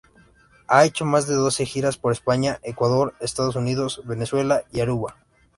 Ha hecho más de doce giras por España, Ecuador, Estados Unidos, Venezuela y Aruba.